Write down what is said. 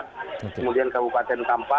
kemudian kabupaten kampas